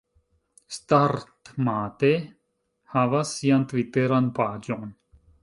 Startmate havas sian Tviteran paĝon